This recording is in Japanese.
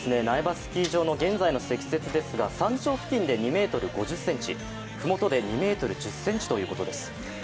苗場スキー場の現在の積雪ですが、山頂付近で２ｍ５０ｃｍふもとで２ｍ１０ｃｍということです。